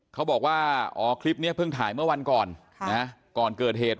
เขาบอกว่าอ๋อคลิปนี้เพิ่งถ่ายเมื่อวันก่อนก่อนเกิดเหตุ